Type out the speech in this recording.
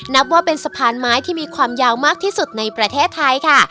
นับว่าเป็นสะพานไม้ที่มีความยาวมากที่สุดในประเทศไทยค่ะ